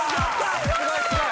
すごいすごい！